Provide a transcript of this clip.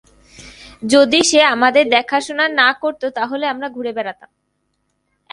যদি সে আমাদের দেখাশোনা না করত, তাহলে আমরা ঘুড়ে বেড়াতাম।